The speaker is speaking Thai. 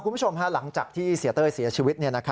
คุณผู้ชมหลังจากที่เสียเต้ยเสียชีวิต